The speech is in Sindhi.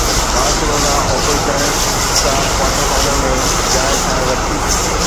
Barcelona open tennis star quarter final ۾ جاءِ ٺاهي ورتي